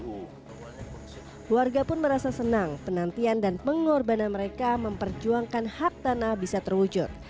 keluarga pun merasa senang penantian dan pengorbanan mereka memperjuangkan hak tanah bisa terwujud